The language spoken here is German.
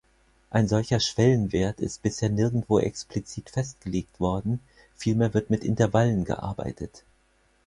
Ein solcher Schwellenwert ist bisher nirgendwo explizit festgelegt worden, vielmehr wird mit Intervallen gearbeitet.